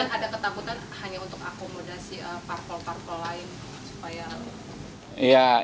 bagaimana cara untuk mengumpulkan banyak orang